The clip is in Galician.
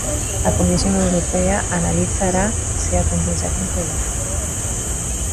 A comisión europea analizará se a compensación foi legal.